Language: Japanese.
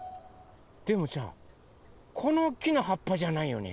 でもさこの木のはっぱじゃないよね？